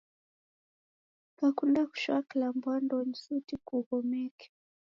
Kakunda kushoa kilambo andonyi, suti kughomeke.